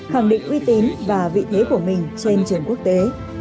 khẳng định uy tín và vị thế của mình trên trường quốc tế